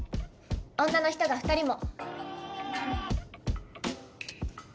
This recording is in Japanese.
女の人が２人も。